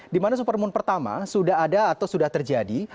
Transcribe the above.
di mana supermoon pertama sudah ada atau sudah terjadi